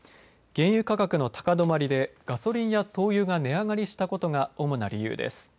原油価格の高止まりでガソリンや灯油が値上がりしたことが主な理由です。